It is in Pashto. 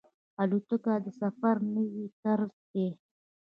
الوتکه د سفر نوی طرز دی.